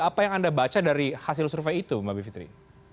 apa yang anda baca dari hasil survei itu mbak bivitri